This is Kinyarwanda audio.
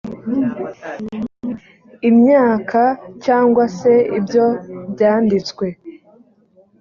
imyaka cyangwase ibyo byanditswe